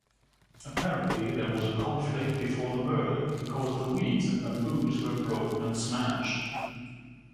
apparently there was a conflict before the murder, because the weeds and bamboos were broken and smashed